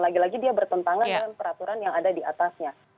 lagi lagi dia bertentangan dengan peraturan yang ada di atasnya